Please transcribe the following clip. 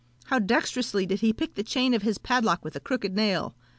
How dexterously did he pick the chain of his padlock with a crooked nail!